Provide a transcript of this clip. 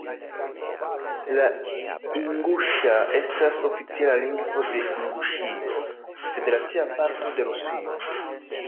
La inguŝa estas oficiala lingvo de Inguŝio, federacia parto de Rusio.